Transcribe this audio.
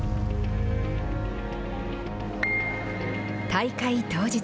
大会当日。